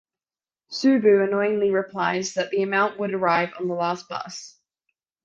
Subbu annoyingly replies that the amount would arrive on the last bus.